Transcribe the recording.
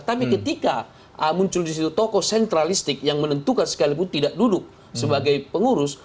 tapi ketika muncul disitu toko sentralistik yang menentukan sekalipun tidak duduk sebagai pengurus